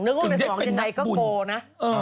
เนื้อง่อกในสมองยังไงก็โกนะ